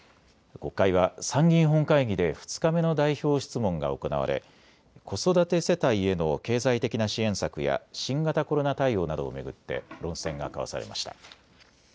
国会は参議院本会議で２日目の代表質問が行われ子育て世帯への経済的な支援策や新型コロナ対応などを巡って論戦が交わされました。